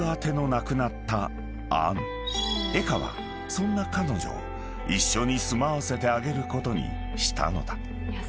［江歌はそんな彼女を一緒に住まわせてあげることにしたのだ］